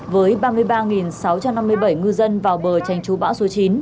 với ba mươi ba sáu trăm năm mươi bảy ngư dân vào bờ tránh chú bão số chín